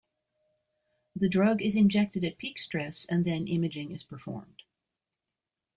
The drug is injected at peak stress and then imaging is performed.